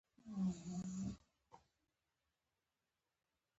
سالنګ کوتل څومره واوره لري؟